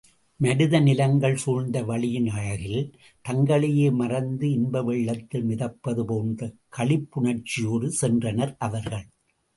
மருத நிலங்கள் சூழ்ந்த வழியின் அழகில் தங்களையே மறந்து இன்பவெள்ளத்தில் மிதப்பது போன்ற களிப்புணர்ச்சியோடு சென்றனர் அவர்கள்.